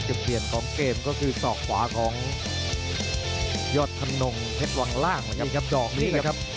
จุดเปลี่ยนของเกมก็คือศอกขวาของยอดธนงเพชรวังล่างนะครับดอกนี้นะครับ